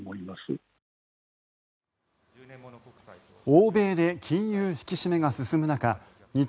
欧米で金融引き締めが進む中日